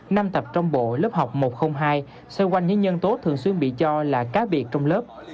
năm tập trong bộ lớp học một trăm linh hai xoay quanh những nhân tố thường xuyên bị cho là cá biệt trong lớp